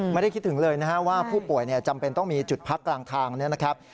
ไม่ได้คิดถึงเลยนะครับว่าผู้ป่วยจำเป็นต้องมีจุดพักกลางทางนะครับ